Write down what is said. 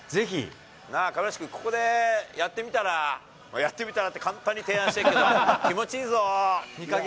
なあ、亀梨君、ここでやってみたら、やってみたらって、簡単に提案してるけど、気持ちいいぞ。